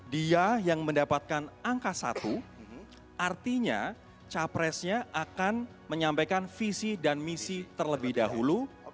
dia yang mendapatkan angka satu artinya capresnya akan menyampaikan visi dan misi terlebih dahulu